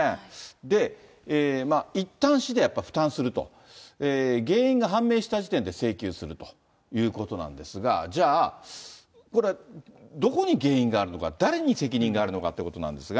で、いったん、やっぱり市で負担すると、原因が判明した時点で請求するということなんですが、じゃあこれ、どこに原因があるのか、誰に責任があるのかっていうことなんですが。